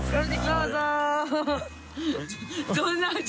どうぞ